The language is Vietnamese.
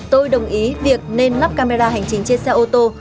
tôi đồng ý việc nên lắp camera hành trình trên xe ô tô